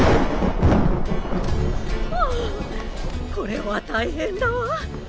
ああこれは大変だわ。